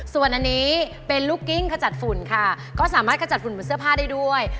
ส่วนอันนี้เป็นลูกกิ้งขจัดฝุ่นค่ะก็สามารถขจัดฝุ่นบนเสื้อผ้าได้ด้วย